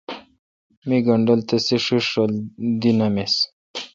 می گینڈل تی ݭݭ دی نامین۔